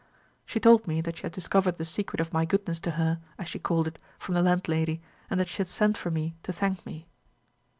She told me that she had discovered the secret of my goodness to her, as she called it, from the landlady, and that she had sent for me to thank me.